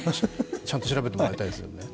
ちゃんと調べてもらいたいです。